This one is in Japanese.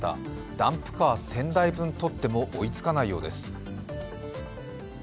ダンプカー１０００台分とっても追いつかないようです。